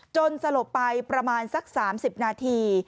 สลบไปประมาณสัก๓๐นาที